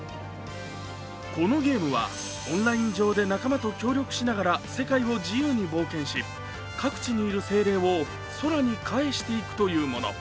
このゲームはオンライン上で仲間と協力しながら世界を自由に冒険し、各地にいる精霊を空に帰していくというもの。